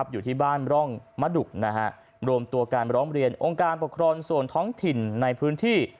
อยู่ที่บ้านร่องมดุรวมตัวการร้องเรียนองค์การปกครองส่วนท้องถิ่นในพื้นที่